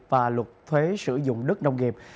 và luật thuế sử dụng đất nông nghiệp